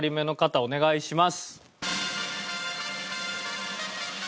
お願いします。